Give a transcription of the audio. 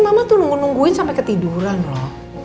mama tuh nunggu nungguin sampai ketiduran loh